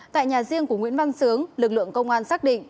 tại nhà riêng của nguyễn văn sướng lực lượng công an xác định